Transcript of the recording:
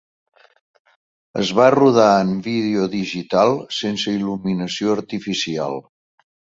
Es va rodar en vídeo digital sense il·luminació artificial.